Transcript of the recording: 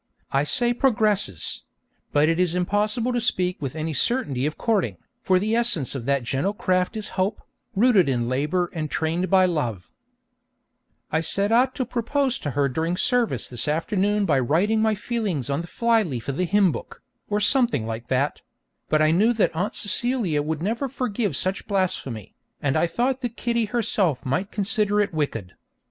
I say 'progresses'; but it is impossible to speak with any certainty of courting, for the essence of that gentle craft is hope, rooted in labour and trained by love. [Illustration: She ignores the babble of contemporaneous lovers] I set out to propose to her during service this afternoon by writing my feelings on the flyleaf of the hymn book, or something like that; but I knew that Aunt Celia would never forgive such blasphemy, and I thought that Kitty herself might consider it wicked.